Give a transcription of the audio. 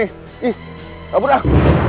ih kabur dah